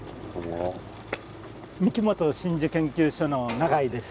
ミキモト真珠研究所の永井です。